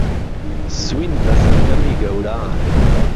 سویند به سهننهمی گەوران